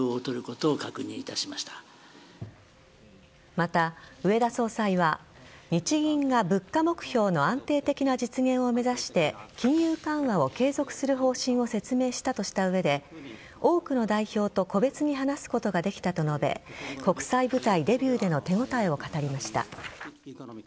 また、植田総裁は日銀が物価目標の安定的な実現を目指して金融緩和を継続する方針を説明したとした上で多くの代表と個別に話すことができたと述べ国際舞台デビューでの手応えを語りました。